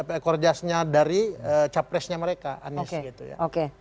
ekor jasnya dari capresnya mereka anies gitu ya